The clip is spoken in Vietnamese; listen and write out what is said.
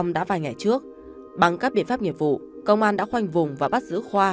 đã vài ngày trước bằng các biện pháp nghiệp vụ công an đã khoanh vùng và bắt giữ khoa